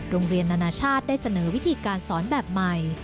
นานาชาติได้เสนอวิธีการสอนแบบใหม่